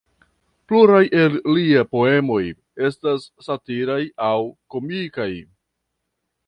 Pluraj el lia poemoj estas satiraj aŭ komikaj.